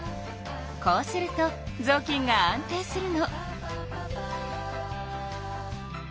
こうするとぞうきんが安定するの。